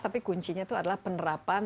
tapi kuncinya itu adalah penerapan